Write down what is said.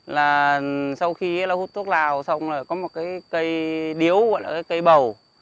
là sau khi hút thuốc lào xong là có một cái cây điếu hoặc là cây bầu